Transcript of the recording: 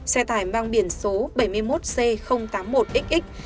xe tải mang biển số bảy mươi một c tám mươi một xx